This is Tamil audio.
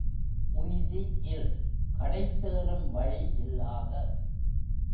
உய்தி இல்—கடைத்தேறும் வழி இல்லாத.